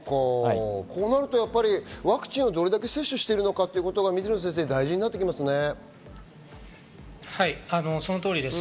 こうなるとワクチンをどれだけ接種しているかということが大事になってきますね、水野先生。